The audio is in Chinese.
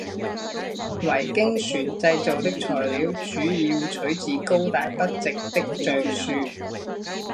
维京船制造的材料主要取自高大笔直的橡树。